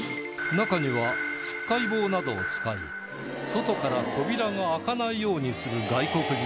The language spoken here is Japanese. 中には突っかい棒などを使い外から扉が開かないようにする外国人もいたという